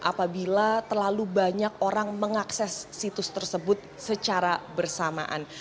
apabila terlalu banyak orang mengakses situs tersebut secara bersamaan